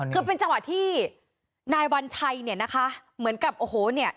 คือเป็นจังหวะที่นายวัญชัยเนี่ยนะคะเหมือนกับโอ้โหเนี่ย